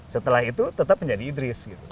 setelah itu tetap menjadi idris gitu